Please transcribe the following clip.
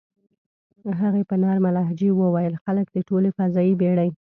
هغې په نرمه لهجه وویل: "خلک د ټولې فضايي بېړۍ.